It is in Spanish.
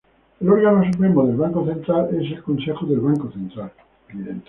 El órgano supremo del Banco Central es el Consejo del Banco Central.